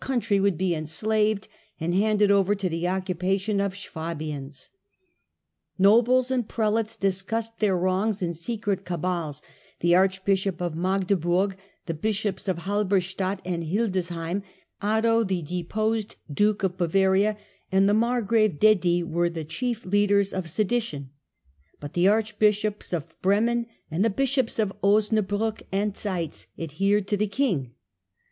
n Saxony country woidd be enslaved and handed over to the occupation of Swabians. Nobles and prelates dis cussed their wrongs in secret cabals ; the archbishop of Magdeburg, the bishops of Halberstadt and Hildersheim, Otto, the deposed duke of Bavaria, and the margrave Dedi were the chief leaders of sedition ; but the archbishops of Bremen and the bishops of Osnabriick and Zeitz adhered to the king.